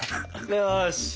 よし！